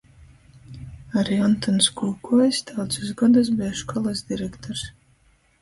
Ari Ontons Kūkojs daudzus godus beja školys direktors.